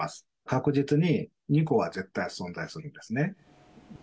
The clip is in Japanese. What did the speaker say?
確実に２個は絶対存在するんですね。